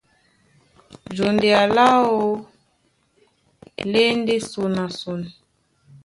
Jondea láō lá e ndé son na son.